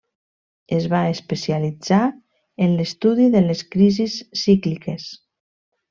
Es va especialitzar en l'estudi de les crisis cícliques.